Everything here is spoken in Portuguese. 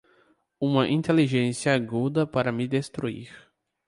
Uma inteligência aguda para me destruir